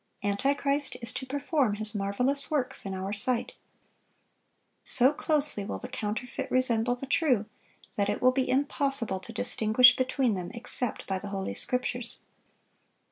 Antichrist is to perform his marvelous works in our sight. So closely will the counterfeit resemble the true, that it will be impossible to distinguish between them except by the Holy Scriptures.